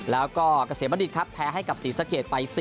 แล้วก็เกษมบัณฑิตครับแพ้ให้กับศรีสะเกดไป๔